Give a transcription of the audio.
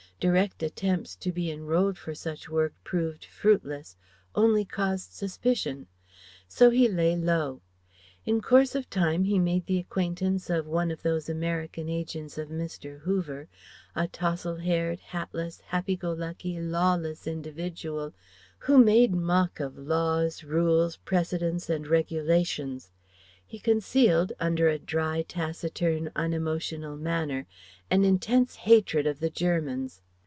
Direct attempts to be enrolled for such work proved fruitless, only caused suspicion; so he lay low. In course of time he made the acquaintance of one of those American agents of Mr. Hoover a tousle haired, hatless, happy go lucky, lawless individual, who made mock of laws, rules, precedents, and regulations. He concealed under a dry, taciturn, unemotional manner an intense hatred of the Germans.